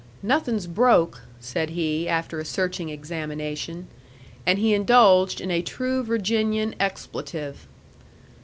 "Nothing's broke," said he, after a searching examination. And he indulged in a true Virginian expletive.